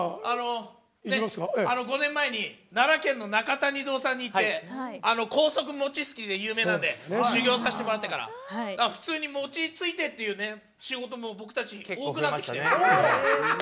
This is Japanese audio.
５年前に奈良県の中谷堂さんにて高速餅つきで有名なんで修業させてもらってから普通に餅ついてっていう仕事も僕たち、多くなってきて。